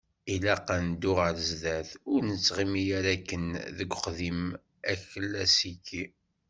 Ilaq, ad neddu ɣer sdat, ur nettɣimi ara kan deg uqdim aklasiki.